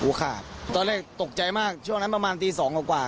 ขาดตอนแรกตกใจมากช่วงนั้นประมาณตีสองกว่า